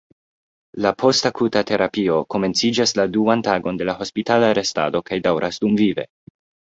La post-akuta terapio komenciĝas la duan tagon de la hospitala restado kaj daŭras dumvive.